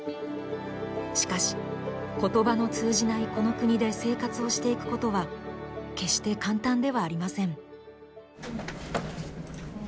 しかし言葉の通じないこの国で生活をしていくことは決して簡単ではありません。